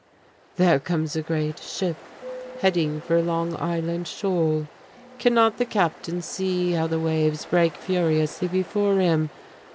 "There comes a great ship heading for Long Island shoal. Cannot the captain see how the waves break furiously before him?